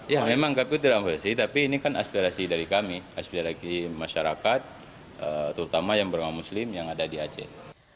ya memang kpu tidak mengerti tapi ini kan aspirasi dari kami aspirasi masyarakat terutama yang bermak muslim yang ada di aceh